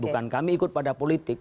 bukan kami ikut pada politik